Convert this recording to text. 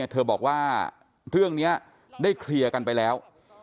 เธอบอกว่าเรื่องนี้ได้เคลียร์กันไปแล้ว